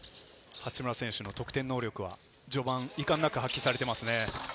八村選手の得点能力は序盤、いかんなく発揮されてますね。